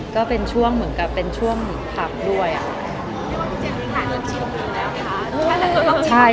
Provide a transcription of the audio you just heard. ก็เป็นช่วงเหมือนกับเป็นช่วงพักด้วยอ่ะ